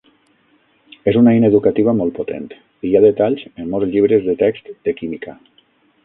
És una eina educativa molt potent, i hi ha detalls en molts llibres de text de química.